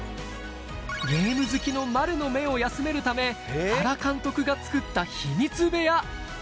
ゲーム好きの丸の目を休めるため、原監督が作った秘密部屋。